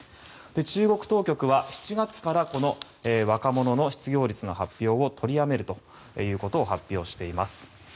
中国当局は７月からこの若者の失業率の発表を取りやめるということを発表しています。